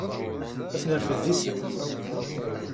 Ad t-nerfed deg sin.